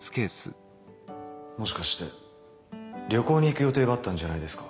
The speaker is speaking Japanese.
もしかして旅行に行く予定があったんじゃないですか？